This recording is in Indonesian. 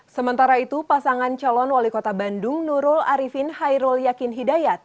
sementara itu pasangan calon wali kota bandung nurul arifin hairul yakin hidayat